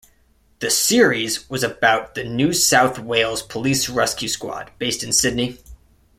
The series was about the New South Wales Police Rescue Squad based in Sydney.